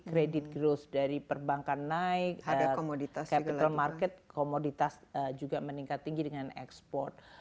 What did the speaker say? credit growth dari perbankan naik capital market komoditas juga meningkat tinggi dengan ekspor